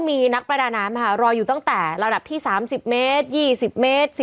มีนักประดาน้ำรออยู่ตั้งแต่ระดับที่๓๐เมตร๒๐เมตร